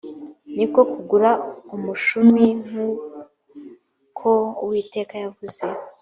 ni ko kugura umushumi nk uko uwiteka yavuze